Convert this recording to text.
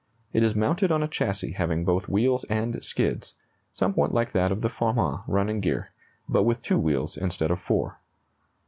It is mounted on a chassis having both wheels and skids, somewhat like that of the Farman running gear, but with two wheels instead of four.